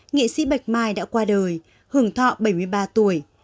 nghệ sĩ bạch mai đã qua đời hưởng thọ bảy mươi ba tuổi